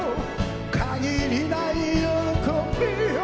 かぎりない喜びよ